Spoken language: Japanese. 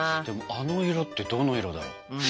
でもあの色ってどの色だろう？